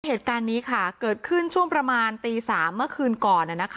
เหตุการณ์นี้ค่ะเกิดขึ้นช่วงประมาณตี๓เมื่อคืนก่อน